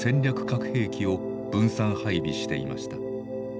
核兵器を分散配備していました。